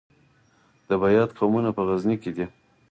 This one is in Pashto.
د بیات قومونه په غزني کې دي